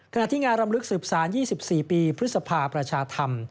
ขณะที่งานรำลึกสืบสาร๒๔ปีพฤษภาประชาธรรม